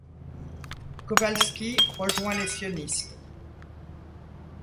Kowalski rejoint les Sionistes.